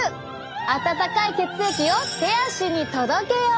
温かい血液を手足に届けよう！